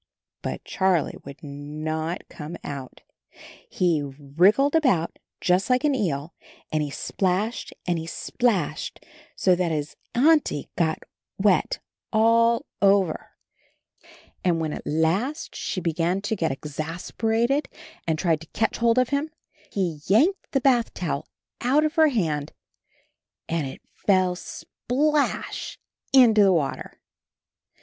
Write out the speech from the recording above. But Charlie would not come out. He wriggled about just like an eel, and he splashed and he splashed, so that his Auntie grot wet all AND HIS KITTEN TOPSY 29 over, and when at last she began to get ex as per a ted, and tried to catch hold of him, he yanked the bath towel out of her hand — and it fell splash into the water!